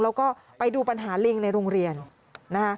แล้วก็ไปดูปัญหาลิงในโรงเรียนนะคะ